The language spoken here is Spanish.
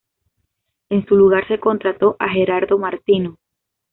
En su lugar se contrató a Gerardo Martino.